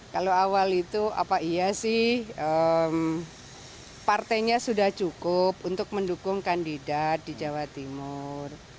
kalau awal itu apa iya sih partainya sudah cukup untuk mendukung kandidat di jawa timur